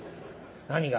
何が？